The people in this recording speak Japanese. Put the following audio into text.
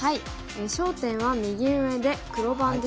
焦点は右上で黒番ですね。